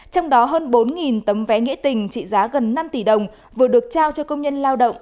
trong đó hơn bốn tấm vé nghĩa tình trị giá gần năm tỷ đồng vừa được trao cho công nhân lao động